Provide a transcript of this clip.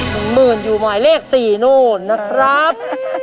หนึ่งหมื่นอยู่หมายเลขสี่นู่นนะครับ